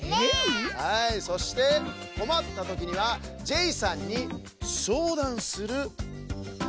はいそしてこまったときにはジェイさんにそうだんする「そう」！